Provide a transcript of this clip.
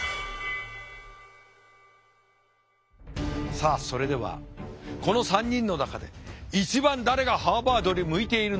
さあそれではこの３人の中で一番誰がハーバードに向いているのか。